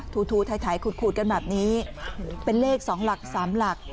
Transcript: ถูทูถ่ายถ่ายขูดขูดกันแบบนี้เป็นเลขสองหลักสามหลัก